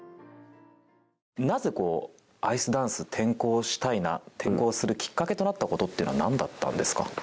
なぜアイスダンス、転向したいな転向するきっかけとなったことというのはなんだったんですか。